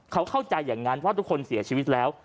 เขาเข้าใจอย่างนั้นว่าทุกคนเสียชีวิตแล้ว